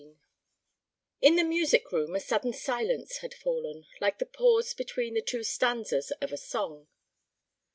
XVI In the music room a sudden silence had fallen, like the pause between the two stanzas of a song.